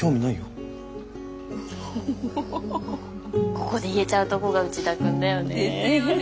ここで言えちゃうとこが内田君だよね。